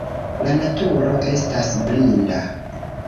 La naturo estas blinda.